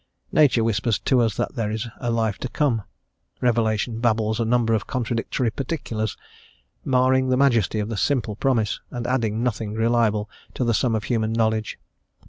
Nature whispers to us that there is a life to come; revelation babbles a number of contradictory particulars, marring the majesty of the simple promise, and adding nothing reliable to the sum of human knowledge.